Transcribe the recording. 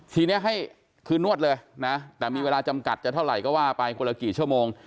ทีนี้ให้คืนนวดเลยนะแต่มีเวลาจำกัดจะเท่าไหร่ก็ว่าไปคนละกี่ชั่วโมง